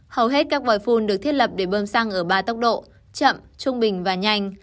hầu hết các vòi phun được thiết lập để bơm xăng ở ba tốc độ chậm trung bình và nhanh